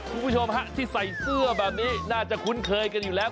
คุณผู้ชมฮะที่ใส่เสื้อแบบนี้น่าจะคุ้นเคยกันอยู่แล้ว